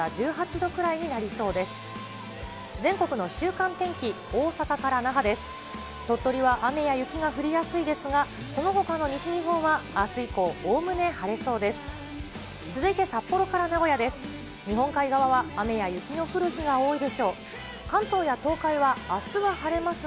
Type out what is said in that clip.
鳥取は雨や雪が降りやすいですが、そのほかの西日本は、あす以降、おおむね晴れそうです。